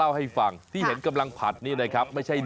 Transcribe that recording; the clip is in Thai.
เขาบอกว่าที่ต้องนำงูเห่าไปทำเป็นเมนูเดิร์ด